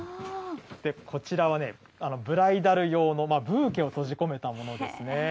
こちらはね、ブライダル用のブーケを閉じ込めたものですね。